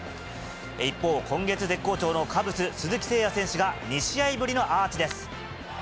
一方、今月、絶好調のカブス、鈴木誠也選手が、２試合ぶりのアーチです。